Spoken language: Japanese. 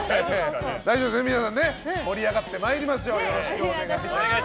大丈夫ですよね、皆さん盛り上がってまいりましょうよろしくお願いいたします。